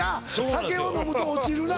酒を飲むと落ちるな